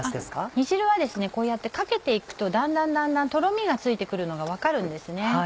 煮汁はこうやってかけて行くとだんだんだんだんとろみがついて来るのが分かるんです。